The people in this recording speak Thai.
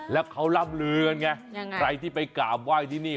แล้วเขาร่ำลือกันไงใครที่ไปกราบไหว้ที่นี่